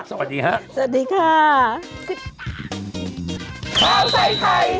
สวัสดีค่ะ